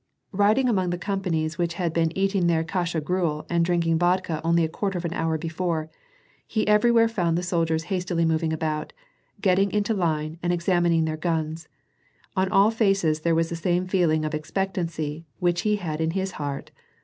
Kiding among the companies which had been eating their kasha gniel and drinking vodka only a quarter of an hour before, he eveiy where found the soldiers hastily moving about, getting into line, and examining their guns ; on all faces there was the same feeling of expectancy which he had in his heart.